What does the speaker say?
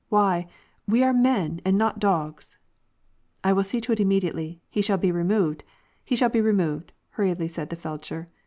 Why ! we are men, and not dogs." " I will see to it immediately, he shall be removed, he shall be removed," hurriedly said the feldsher.